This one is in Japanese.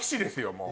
もう。